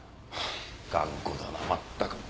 頑固だなまったく。